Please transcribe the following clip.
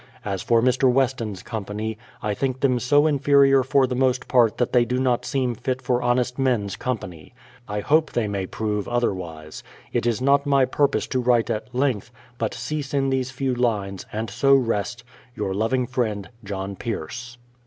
As for Mr. Weston's company, I think them so inferior for the most part that they do not seem iit for honest men's company. I hope they may prove otherw^ise. It is not my purpose to write at length, but cease in these few lines, and so rest, Your loving friend, JOHN PIERCE.